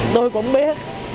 tôi cũng biết